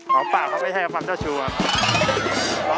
หอปากเขาไม่ใช่ฟันเจ้าชู้ล่ะ